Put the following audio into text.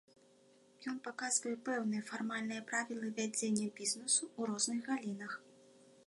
Ён паказвае пэўныя фармальныя правілы вядзення бізнесу ў розных галінах.